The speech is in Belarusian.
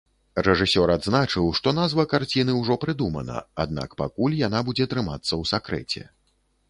Рэжысёр адзначыў, што назва карціны ўжо прыдумана, аднак пакуль яна будзе трымацца ў сакрэце.